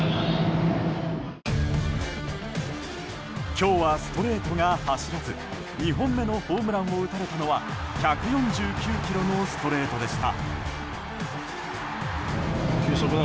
今日はストレートが走らず２本目のホームランを打たれたのは１４９キロのストレートでした。